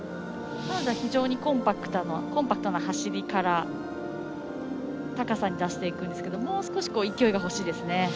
彼女は非常にコンパクトな走りから高さを出していくんですがもう少し勢いがほしいですね。